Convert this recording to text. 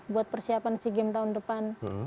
buat persiapan sea games tahun depan